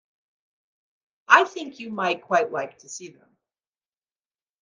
I think you might quite like to see them.